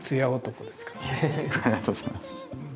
ありがとうございます。